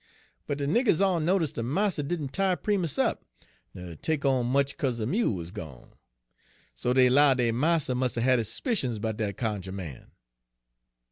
But de niggers all notice' dey marster didn' tie Primus up, ner take on much 'ca'se de mule wuz gone. So dey 'lowed dey marster must 'a' had his s'picions 'bout dat cunjuh man."